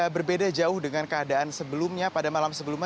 berbeda jauh dengan keadaan sebelumnya pada malam sebelumnya